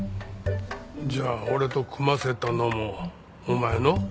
じゃあ俺と組ませたのもお前の？